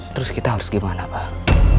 terus kita harus gimana bang